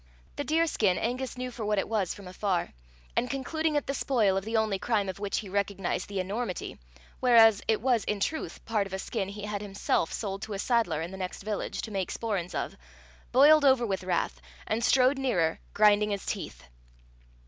The deer skin Angus knew for what it was from afar, and concluding it the spoil of the only crime of which he recognized the enormity, whereas it was in truth part of a skin he had himself sold to a saddler in the next village, to make sporrans of, boiled over with wrath, and strode nearer, grinding his teeth.